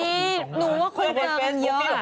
นี่หนูว่าคุณแม่มันเยอะ